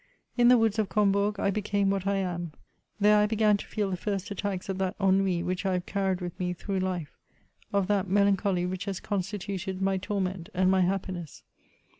In the woods of Combourg I became what I am : there I began to feel the first attacks of that ennui which I have carried with me through life — of that melancholy which has constituted my torment and my happiness.